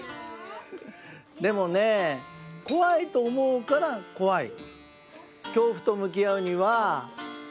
でもね怖いとおもうから怖い。